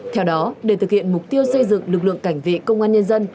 theo đó để thực hiện mục tiêu xây dựng lực lượng cảnh vệ công an nhân dân